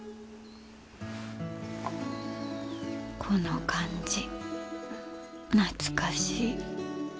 この感じ懐かしい。